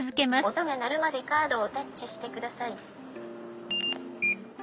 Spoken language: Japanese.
「音が鳴るまでカードをタッチして下さい」。